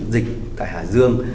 dịch tại hải dương